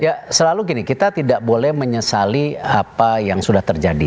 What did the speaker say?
ya selalu gini kita tidak boleh menyesali apa yang sudah terjadi